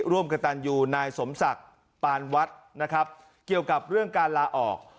ร่วมกระตันยูนายสมศักดิ์ปานวัดนะครับเกี่ยวกับเรื่องการลาออก